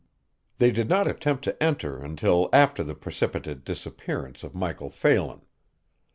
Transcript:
They did not attempt to enter until after the precipitate disappearance of Michael Phelan.